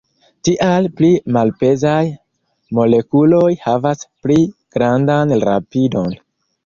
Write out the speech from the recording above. Tial, pli malpezaj molekuloj havas pli grandan rapidon.